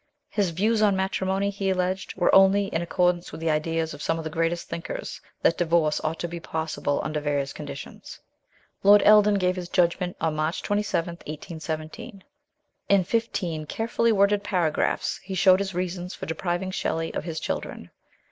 His views on matrimony, he alleged, were only in accordance with the ideas of some of the greatest thinkers that divorce ought to be possible under various conditions. Lord Eldon gave his judgment on March 27, 1817. In fifteen carefully worded paragraphs he showed his reasons for depriving Shelley of his children.